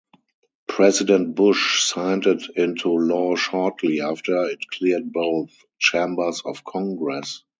President Bush signed it into law shortly after it cleared both chambers of Congress.